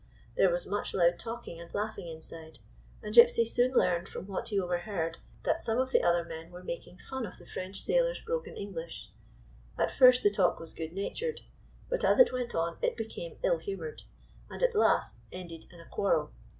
There was much loud talking and laughing inside, and Gypsy soon learned from what he overheard that some of the other GYPSY, THE TALKING DOG men were making fun of tlie French sailor's broken English. At first the talk was good natured ; but as it went on it became ill humored, and at last ended in a quarrel.